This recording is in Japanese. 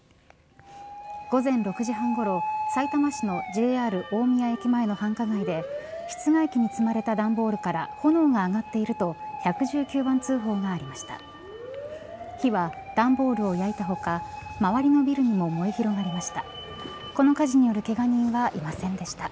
午前６時半ごろさいたま市のＪＲ大宮駅前の繁華街で室外機に積まれた段ボールから炎が上がっていると１１９番通報がありました。